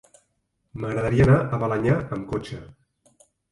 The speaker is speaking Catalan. M'agradaria anar a Balenyà amb cotxe.